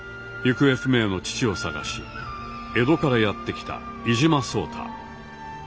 行方不明の父を探し江戸からやって来た伊嶋壮多。